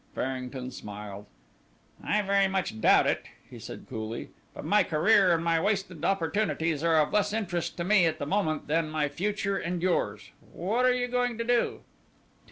Farrington smiled. "I very much doubt it," he said coolly; "but my career and my wasted opportunities are of less interest to me at the moment than my future and yours. What are you going to do?"